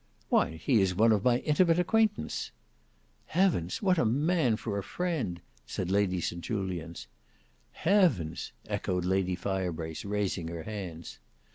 "Why, he is one of my intimate acquaintance." "Heavens! what a man for a friend!" said Lady St Julians. "Heavens!" echoed Lady Firebrace raising her hands.